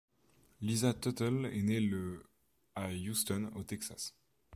Lisa Tuttle est née le à Houston au Texas.